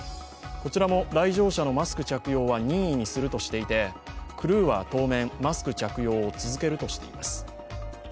こちらも来場者のマスク着用は任意にするとしていてクルーは当面マスク着用を続けるとしています。